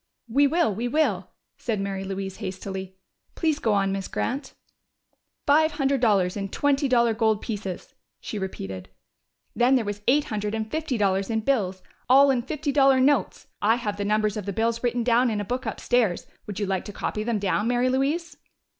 "We will We will!" said Mary Louise hastily. "Please go on, Miss Grant!" "Five hundred dollars in twenty dollar gold pieces," she repeated. "Then there was eight hundred and fifty dollars in bills all in fifty dollar notes. I have the numbers of the bills written down in a book upstairs. Would you like to copy them down, Mary Louise?"